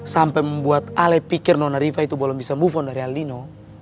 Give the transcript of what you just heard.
sampai membuat ale pikir nona riva itu belum bisa move on dari el nino